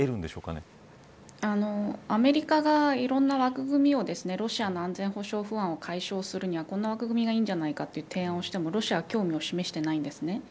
アメリカがいろんな枠組みをロシアの安全保障不安を解消するにはこんな枠組みがいいんじゃないかといっても、ロシアが興味を示してないんです。